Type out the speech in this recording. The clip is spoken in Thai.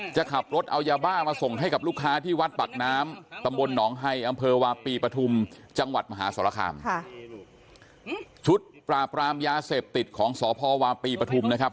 จะขับรถเอายาบ้ามาส่งให้กับลูกค้าที่วัดปากน้ำตำบลหนองไฮอำเภอวาปีปฐุมจังหวัดมหาสรคามค่ะชุดปราบรามยาเสพติดของสพวาปีปฐุมนะครับ